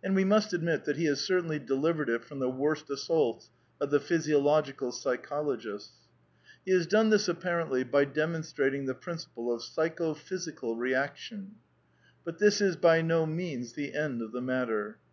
And we must admit that he has certainly delivered it from the worst assaults of the physio logical psychologists. He has done this, apparently, by demonstrating the principle of psycho physical interaction. But this is by no means the end of the matter.